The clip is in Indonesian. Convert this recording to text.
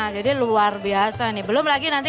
jadi luar biasa nih belum lagi nanti